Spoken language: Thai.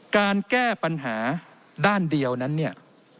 การแก้ปัญหาด้านเดียวนั้นเนี่ย